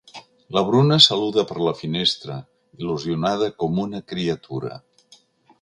La Bruna saluda per la finestra, il·lusionada com una criatura.